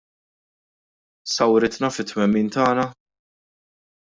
Sawritna fit-twemmin tagħna?